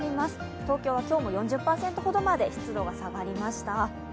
東京は今日も４０％ほどまで湿度が下がりました。